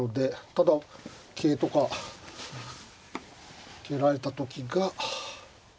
ただ桂とか受けられた時が。